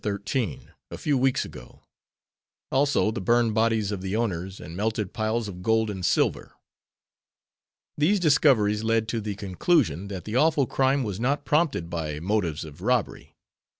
13, a few weeks ago; also the burned bodies of the owners and melted piles of gold and silver. These discoveries led to the conclusion that the awful crime was not prompted by motives of robbery.